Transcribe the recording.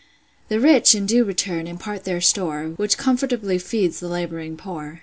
The rich, in due return, impart their store; Which comfortably feeds the lab'ring poor.